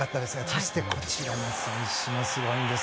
そして、こちらの選手もすごいんです。